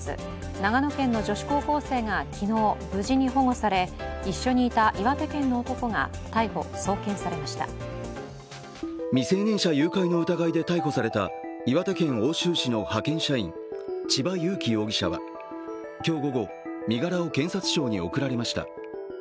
長野県の女子高校生が昨日、無事に保護され一緒にいた岩手県の男が未成年者誘拐の疑いで逮捕された岩手県奥州市の派遣社員、千葉裕生容疑者は今日午後、身柄を検察庁に送られました。